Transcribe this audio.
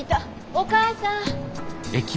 お母さん。